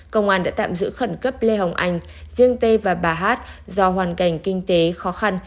công an đã tạm giữ khẩn cấp lê hồng anh riêng tê và bà hát do hoàn cảnh kinh tế khó khăn